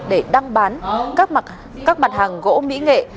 để đăng bán các mặt hàng gỗ mỹ nghệ